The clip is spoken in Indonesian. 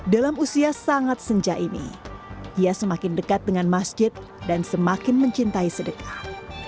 dalam usia sangat senja ini ia semakin dekat dengan masjid dan semakin mencintai sedekah